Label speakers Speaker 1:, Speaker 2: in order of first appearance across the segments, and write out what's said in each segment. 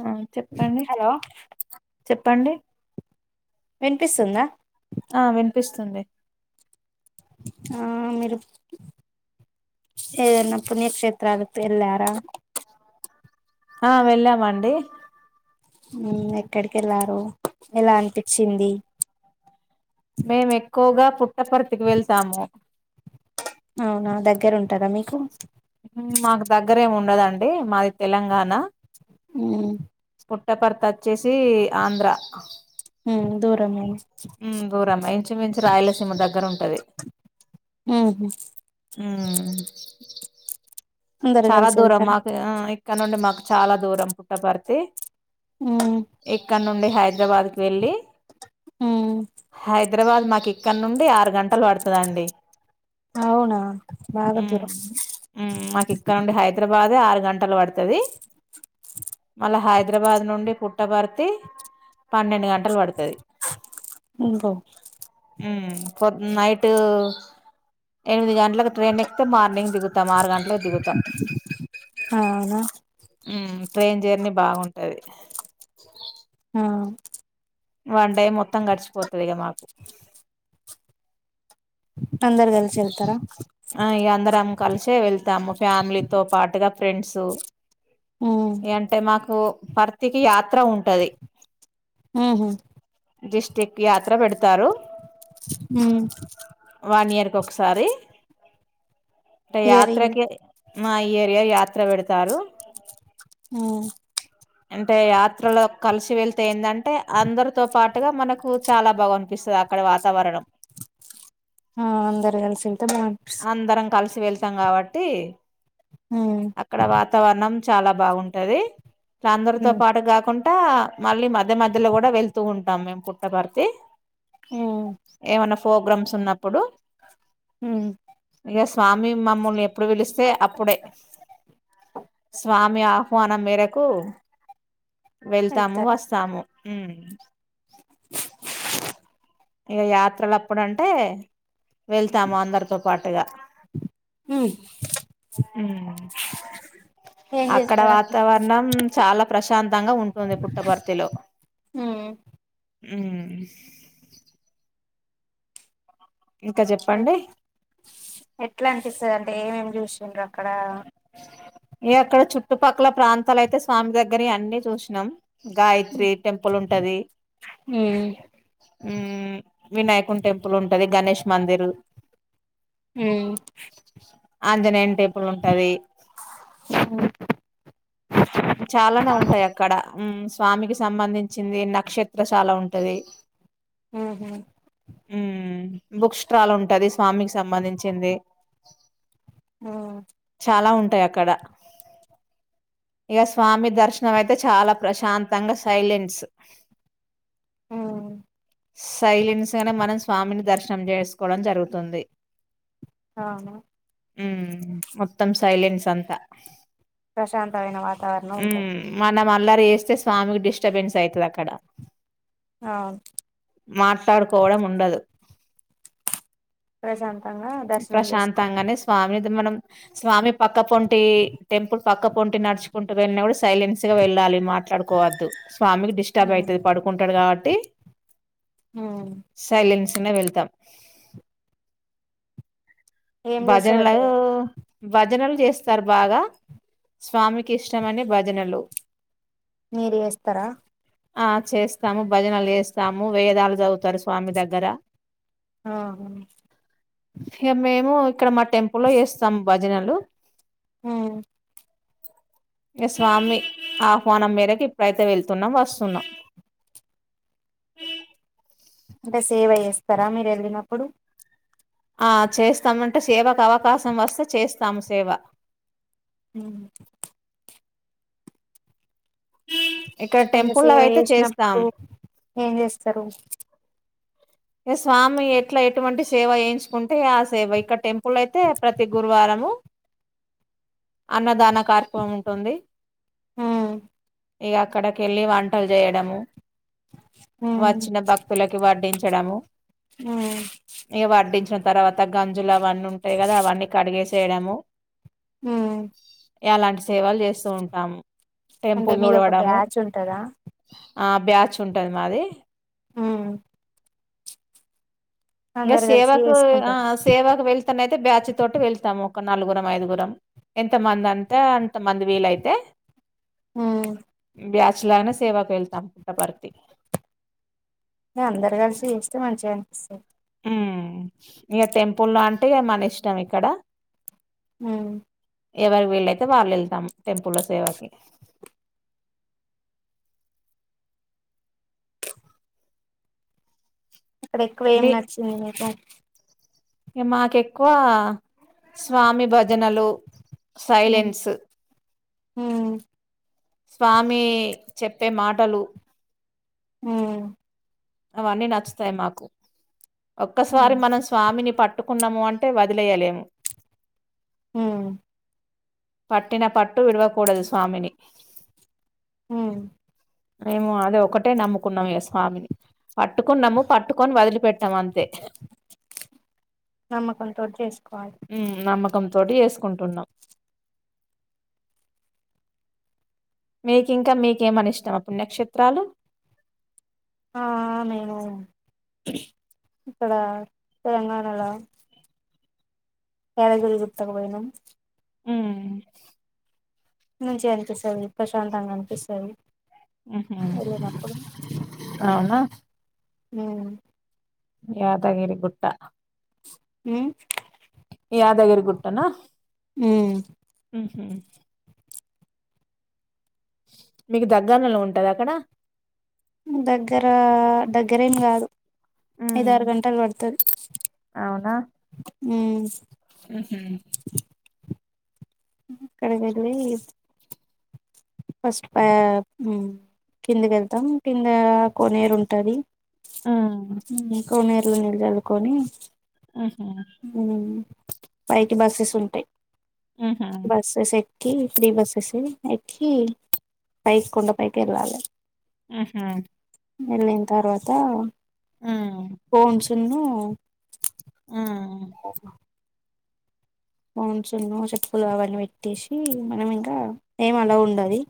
Speaker 1: ఆ చెప్పండి
Speaker 2: హలో
Speaker 1: చెప్పండి
Speaker 2: విన్పిస్తుందా
Speaker 1: ఆ విన్పిస్తుంది
Speaker 2: ఆ మీరు ఏదన్న పుణ్యక్షే త్రాత్ వెల్లార
Speaker 1: ఆ వెళ్ళామండి
Speaker 2: ఎక్కడికి వెళ్లారు ఇలా అనిపించింది
Speaker 1: మేము ఎక్కువగా పుట్టపరుతికి వెళ్తాము
Speaker 2: అవునా దగ్గర ఉంటదా మీకు
Speaker 1: మాకు దగ్గరేమి ఉండదండి మాది తెలంగాణ
Speaker 2: ఉమ్
Speaker 1: పుట్టపర్తి వచ్చేసి ఆంధ్ర
Speaker 2: ఉమ్ దూరమ
Speaker 1: మ్ దూరమె ఇంచుమించు రాయలసీమ దగ్గర ఉంటది
Speaker 2: ఉహు
Speaker 1: ఉమ్
Speaker 2: అందరు
Speaker 1: చాల
Speaker 2: కలిసి
Speaker 1: దూరం
Speaker 2: వెళ్తారా
Speaker 1: మాకు ఇక్కడ నుండి మాకు చాలా దూరం పుట్టపర్తి
Speaker 2: ఉమ్
Speaker 1: ఇక్కడ్ నుండి హైద్రాబాద్కి వెళ్ళి
Speaker 2: ఉమ్
Speaker 1: హైద్రాబాద్ మాకు ఇక్కడ నుండి ఆరు గంటలు పడుతుందండి
Speaker 2: అవునా బగా దూర
Speaker 1: హైదరాబాద ఆరు గంటలు పడుతుది మళ్ళ హై హైదరాబాద్ నుండి పుట్టభర్తి పన్నెండు గంటలు పడుతుంది
Speaker 2: హ్మ్
Speaker 1: నైట్ ఎనిమిది గంటలకు ట్రైన్ ఎక్తే మార్నింగ్ దిగుతాం ఆరు గంటలకు దిగుతాం
Speaker 2: అవున్న
Speaker 1: ఉమ్ ట్రైన్ జర్నీ బాగుంటది
Speaker 2: ఆ
Speaker 1: వన్ డే మొత్తం గడిచిపోతుందిగా మాకు
Speaker 2: అందరు కలిసి వెళ్తారా
Speaker 1: ఆ ఇ అందరం కలిసే వెళ్తాము ఫ్యామిలీతో పాటుగా ఫ్రెండ్స్
Speaker 2: ఉమ్
Speaker 1: ఏంటే మాకు పర్తికి యాత్ర ఉంటది
Speaker 2: హహ
Speaker 1: డిస్టిక్ యాత్ర పెడతారు
Speaker 2: హ్మ్
Speaker 1: వన్ ఇయర్ క ఒకసారి అంటే
Speaker 2: ఇయర్ ఇయర్
Speaker 1: యాత్రకి మా ఈ ఏరియా యాత్ర పెడతారు
Speaker 2: హ
Speaker 1: అంటే యాత్రలో కలిసి వెలిసి ఏంటంటే అందరితో పాటుగా మనకు చాలా బాగా అనిపిస్తుంది అక్కడ వాతావరణం
Speaker 2: ఆ అందరి కలిసింత బనిపిస్తది
Speaker 1: అందరం కలిసి వెళ్తాం కాబట్టి
Speaker 2: ఉమ్
Speaker 1: అక్కడ వాతావరణం చాలా బాగుంటది ఇ అందరితో
Speaker 2: ఉమ్
Speaker 1: పాటు కాకుండా పట్ట మళ్ళీ మధ్య మధ్యలో కూడా వెళ్తూ ఉంటాం మేము పుట్టపర్తి
Speaker 2: అ
Speaker 1: ఏమైనా ప్రోగ్రామ్స్ ఉన్నప్పుడు
Speaker 2: హ
Speaker 1: ఇ స్వామి మమ్మల్ని ఎప్పుడు వెలిస్తే అప్పుడే స్వామి మీ ఆహ్వానం మేరకు వెళ్తాము
Speaker 2: వెళ్తారు
Speaker 1: వస్తాము ఇక యాత్రలుప్పుడంటే వెళ్తాము అందరితో పాటుగా
Speaker 2: హ్మ్
Speaker 1: అ
Speaker 2: ఏం
Speaker 1: అక్కడ
Speaker 2: చేస్తారు
Speaker 1: వాతావరణం చాలా ప్రశాంతంగా ఉంటుంది పుట్టపర్తిలో
Speaker 2: హ
Speaker 1: హ్మ్ ఇంకా
Speaker 2: ఎ
Speaker 1: చెప్పండి
Speaker 2: ఎట్లా అంటిే సార్ అంటే ఏమేమి చూసిండ్ర అక్కడ
Speaker 1: ఈ అక్కడ చుట్టుపక్కల ప్రాంతాలయితే స్వామి దగ్గర అన్నీ చూసినాం గాయత్రి
Speaker 2: ఉమ్
Speaker 1: టెంపుల్ ఉంటది ఉ వినాయకుం టెంపుల్ ఉంటది గణేష్ మందిర్
Speaker 2: హ్మ్
Speaker 1: ఆంజనేయని టేపుల్ ఉంటది చాలానే ఉంటాయి అక్కడ స్వామికి సంబంధించింది నక్షత్ర చాలా ఉంటది
Speaker 2: హ్మ్ హ్మ్
Speaker 1: ఉ బుక్ స్టల్ ఉంటది స్వామికి సంబంధించింది
Speaker 2: ఆ
Speaker 1: అలా ఉంటాయి అక్కడ ఇక స్వామి దర్శనం అయితే చాలా ప్రశాంతంగా సైలెన్స్
Speaker 2: ఉమ్
Speaker 1: సైలెన్స్గానే మనం స్వామిని దర్శన నం చేసుకోవడం జరుగుతుంది
Speaker 2: అవున
Speaker 1: మ్ మొత్తం సైలెన్స్ అంతా
Speaker 2: ప్రశాంతమైన వాతావరణం ఉంటది
Speaker 1: నం అల్లరి చేస్తే స్వామికి డిస్టర్బెన్స్ అయితది అక్కడ
Speaker 2: అవును
Speaker 1: మాట్లాడుకోవడం ఉండదు
Speaker 2: ప్రశాంతంగా దర్శనం చేసుకోవాలి
Speaker 1: ప్రశాంతంగానే స్వామి మనం స్వామి పక్క పొంటి టెంపుల్ పక్క పొ టి నడుచుకుంటూ వెళ్ళినప్పుడు సైలెన్స్ గా వెళ్ళాలి మాట్లాడుకోవద్దు స్వామికి డిస్టర్బ్
Speaker 2: ఉమ్
Speaker 1: అయితది పడుకుంటాడు కాబట్టి
Speaker 2: ఉమ్
Speaker 1: సైలెన్స్ తినే వెళ్తాం
Speaker 2: ఏం చేస్తారంటే
Speaker 1: భజనలయో భజనలు చేస్తారు బాగా స్వామికి ఇష్టమని భజనలు
Speaker 2: మీరు చేస్తారా
Speaker 1: ఆ చేస్తాము భజనలు చేస్తాము వేదాలు చదువుతారు స్వామి దగ్గర
Speaker 2: ఆహా
Speaker 1: ఇక మేము ఇక్కడ మా టెంపుల్ లో చేస్తాము భజనలు
Speaker 2: మ్
Speaker 1: స్వామి ఆహ్వానం మేరకు ఇప్పుడైతే వెళ్తున్నా వస్తున్నాం
Speaker 2: ఇంకా సేవ చేస్తారా మీరు వెళ్ళినప్పుడు
Speaker 1: ఆ చేస్తామంటే సేవకు అవకాశం వస్తే చేస్తాము సేవ
Speaker 2: మ్
Speaker 1: ఇక్కడ
Speaker 2: అంటే
Speaker 1: టెంపుల్ లో
Speaker 2: సేవ
Speaker 1: అయితే
Speaker 2: చేసినప్పుడు
Speaker 1: చేస్తాం
Speaker 2: ఏం చేస్తారు
Speaker 1: ఇ స్వామి ఎట్ల ఎటువంటి సేవ ఎయించుకుంటే ఆ సేవ ఇక్క టెంపుల్ అయితే ప్రతి గురువారము అన్నదాన కార్యక్రమం ఉంటుంది
Speaker 2: మ్
Speaker 1: ఇగ అక్కడికి ఎళ్ళి వంటలు చేయడము వచ్చిన భక్తులకి వడ్డించి
Speaker 2: మ్
Speaker 1: పడ్డించిన తర్వాత గంజులు అవన్నీ ఉంటాయి కదా అవన్నీ కడిగేసేయడము
Speaker 2: మ్
Speaker 1: ఎలాంటి సేవలు చేస్తూ ఉంటాము
Speaker 2: అంటే
Speaker 1: టెంపుల్
Speaker 2: మీది ఒక
Speaker 1: తుడవడము
Speaker 2: బ్యాచ్ ఉంటదా
Speaker 1: ఆ బ్యాచ్ ఉంటది మాది
Speaker 2: మ్
Speaker 1: ఇగ
Speaker 2: అందరు కలిసి
Speaker 1: సేవకు ఆ
Speaker 2: చేసుకుంటాం
Speaker 1: సేవాకు వెళ్తానయితే బ్యాచి తోటి వెళ్తాము ఒక నలుగురం ఐదుగురం ఎంత మంది అంతే అంత మంది వీలైతే
Speaker 2: ఉమ్
Speaker 1: బ్యాచ్ లానే సేవకు వెళ్తాం పుట్టపర్తి
Speaker 2: ఎ అందరు కలిసి చేస్తే మంచిగా అనిపిస్తది
Speaker 1: ఉమ్ ఇగ టెంపుల్ లో అంటే ఇగ మన ఇష్టం ఇక్కడ
Speaker 2: ఉమ్
Speaker 1: ఎవరి వీళ్ళైతే వాళ్ళు ఎళ్తాం టెంపు లో సేవకి
Speaker 2: అక్కడ ఎక్కువ ఏం
Speaker 1: మీ
Speaker 2: నచ్చింది మీకు
Speaker 1: మాకెక్కువ స్వామి భజనలు సైలెన్స్
Speaker 2: ఉమ్
Speaker 1: స్వామి చెప్పే మాటలు
Speaker 2: ఉమ్
Speaker 1: అవన్నీ నచ్చుతాయి మాకు ఒక్కసారి మనం స్వామిని పట్ ట్టుకున్నాము అంటే వదిలేయ్యలేము
Speaker 2: ఉమ్
Speaker 1: పట్టిన పట్టు విడవకూడదు స్వామిని
Speaker 2: ఉమ్
Speaker 1: మేము అద ఒకటే నమ్ముకున్నాం స్వామిని పట్టుకున్నాము పట్టుకొని వదిలిపెట్
Speaker 2: నమ్మకం తోటి చేసుకో
Speaker 1: ఉమ్ నమ్మకం తోటి చెసుకుంటున్నాం మీకింకా మీకేమనిష్టం పుణ్యక్షేత్రాలు
Speaker 2: ఆ నేను ఇక్కడ తెలంగాణల యాదగిరి గుట్టకుపోయినం
Speaker 1: ఉమ్
Speaker 2: మంచిగా అనిపిస్తది ప్రశాంతంగా అనిపిస్తది
Speaker 1: ఉహు
Speaker 2: వెళ్ళినప్పుడు
Speaker 1: అవునా
Speaker 2: ఉమ్
Speaker 1: యాదగిరి గుట్ట
Speaker 2: ఉమ్
Speaker 1: యాదగిరి గుట్టనా
Speaker 2: ఉమ్
Speaker 1: ఉహు మీకు దగ్గర్ నలో ఉంటద అక్కడ
Speaker 2: దగ్గర దగ్గరేం కాదు ఐద
Speaker 1: ఉమ్
Speaker 2: ఆరు గంటలు పడుతది
Speaker 1: అవునా
Speaker 2: ఉ
Speaker 1: ఉహు
Speaker 2: అక్కడికెళ్లి ఫస్ట్ ప ఉమ్ కిందకి వెళ్తాం కింద కోనేరు ఉంటది
Speaker 1: ఉమ్
Speaker 2: ఇం కోనేీరులో నీళ్ళు జల్లు కొని
Speaker 1: ఉహు
Speaker 2: ఉమ్ పైకి బస్సెస్ ఉంటాయి
Speaker 1: హుహు.
Speaker 2: బసెస్ ఎక్కి ఫ్రీ బసెస్ ఎక్కి కి పైకి కొండ పైకి ఎళ్లాలే
Speaker 1: ఉ హా
Speaker 2: వెళ్ళిన తర్వాత
Speaker 1: హ్మ్.
Speaker 2: ఫోన్స్ను
Speaker 1: హ్మ్.
Speaker 2: ఓ ఫోన్సున్ను చెప్పులు అవన్నీ పెట్టేసి మనం ఇంకా ఏం అలో ఉండది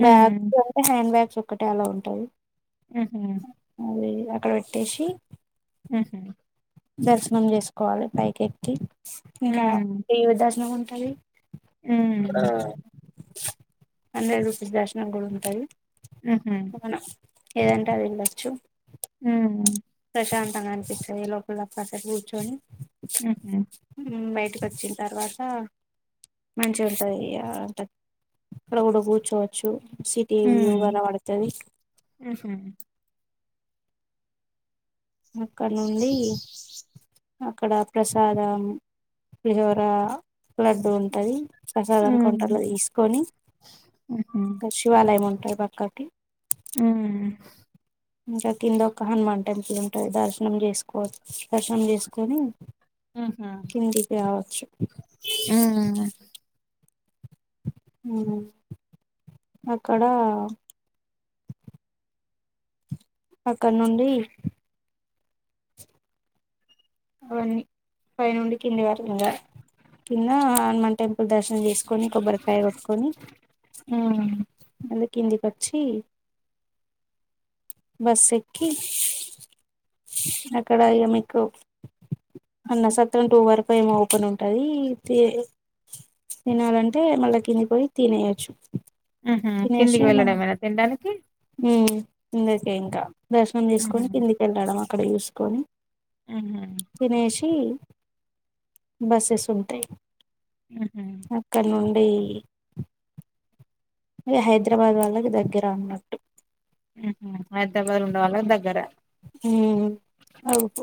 Speaker 1: హ్మ్.
Speaker 2: బ్యాగ్స్ అంటే హ్యాండ్ బ్యాగ్స్ ఒక్కటే అలో ఉంటది
Speaker 1: ఆహ
Speaker 2: అది అక్కడ పెట్టేసి
Speaker 1: ఉహ్
Speaker 2: దర్శనం చేసుకోవాలి పైకెక్కి ఇంకా ఏమి దర్శనం ఉంటది
Speaker 1: ఉహ్మ్
Speaker 2: హండ్రెడ్ రూపీస్ దర్శనం కూడా ఉంటాంది
Speaker 1: హుహు.
Speaker 2: మనం ఏదంటే అది వెళ్ళచ్చు
Speaker 1: ఉమ్న
Speaker 2: ప్రశాంతంగా అనిపిస్తది లోపల కాసేపు కూర్చొని
Speaker 1: ఉహ్మ్
Speaker 2: బయటకి వచ్చిన తర్వాత మంచిగా ఉంటది ఇగ అంట రౌండు కూర్చోవచ్చు సిటీ వ్యూ
Speaker 1: హ్మ్.
Speaker 2: కనబడుతది
Speaker 1: హుహు.
Speaker 2: అక్కడ నుండి అక్కడ ప్రసాదం పులిహోర లడ్డు ఉంటంది ప్రసాదం
Speaker 1: హ్మ్.
Speaker 2: కౌంటార్లో తీసుకొని
Speaker 1: హుహు.
Speaker 2: అక్కడ శివాలయం ఉంటాది పక్కకి
Speaker 1: ఉమ్
Speaker 2: ఇంకా కిందొక్క హనుమాన్ టెంపుల్ ఉంటయి దర్శనం చేసుకో దర్శనం చేసుకొని
Speaker 1: హుహు.
Speaker 2: కిందికి రావచ్చు
Speaker 1: హ్మ్.
Speaker 2: హ్మ్ అక్కడ అక్కడ నుండి అవన్నీ పైనుండి కింది వరకు కింద హనుమాన్ టెంపుల్ దర్శనం చేసుకు కోని కొబ్బరికాయ కొట్టుకొని
Speaker 1: హ్మ్.
Speaker 2: కందికి వచ్చి బస్ ఎక్కి అక్కడ ఏమీకు అన్న సత్రం టూ వరకు ఏమో ఓపెన్ ఉంటది తి తినాలంటే మళ్ళా కిందికి పోయి తినేయచ్చు
Speaker 1: హ్మ కిందికి వెళ్డంమేన తినడానికి
Speaker 2: హ్మ్ కిందికే ఇంకా దర్శనం
Speaker 1: హుహు.
Speaker 2: చేసుకొని కిందికి వెళ్ళాడమా అక్కడ చూసుకొని
Speaker 1: హుహు.
Speaker 2: తినేసి బస్సెస్ ఉంటాయ్
Speaker 1: హుహు.
Speaker 2: అక్కడ నున్ బే అది హైదరాబాద్ వాళ్ళకి దగ్గర అన్నట్టు
Speaker 1: హ్మ్ హ్మ హైదరాబాద్ ఉండవలకి దగ్గర
Speaker 2: హ్మ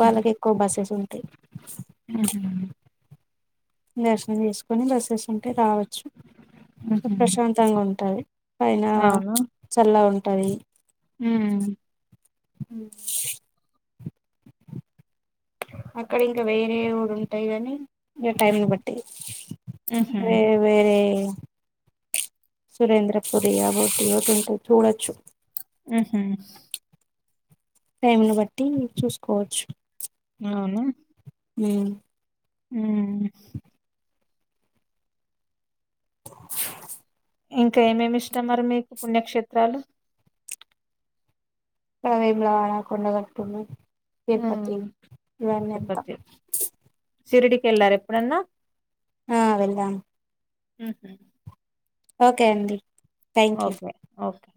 Speaker 2: వాళ్ళకి ఎక్కువ బస్సెస్ ఉంటాయి
Speaker 1: హుహు.
Speaker 2: దర్శనం చేసుకోని బస్సెస్ ఉంటే రావచ్చు
Speaker 1: హుహు.
Speaker 2: ప్రశాంతంగా ఉంటది పైన
Speaker 1: అవును.
Speaker 2: చల్లగా ఉంటది
Speaker 1: హ్మ్
Speaker 2: హ్మ అక్కడ ఇంకా వేరే కూడా ఉంటాయి కాని ఇంకా టైంని బట్టి
Speaker 1: హుహు.
Speaker 2: వేరే వేరే సురేంద్ర పురి అవొటి ఏవోటి ఉంటాయి చూడొచ్చు
Speaker 1: హ్మ హ్మ
Speaker 2: టైమ్ను బట్టి చూసుకోవచ్చు
Speaker 1: అవునా
Speaker 2: హ్మ
Speaker 1: హ్మ ఇంకా ఏమేమి ఇష్టం మరి మీకు పుణ్యక్షేత్రాలు
Speaker 2: వేములవాడ కొండగట్టు ఉంది తిరుపతి
Speaker 1: ఉమ్
Speaker 2: ఇవన్నీ అంత
Speaker 1: షిరిడీ కి ఎల్లారా ఎప్పుడన్నా
Speaker 2: ఆ వెళ్ళాం
Speaker 1: హ్మ్ హ్మ
Speaker 2: ఓకే అండి థ్యాంక్ యూ
Speaker 1: ఓకే ఓకే